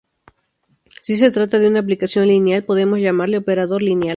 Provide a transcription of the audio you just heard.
Si se trata de una aplicación lineal, podemos llamarle operador lineal.